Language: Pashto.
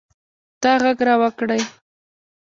تا ږغ را وکړئ.